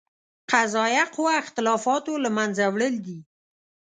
قضائیه قوه اختلافاتو له منځه وړل دي.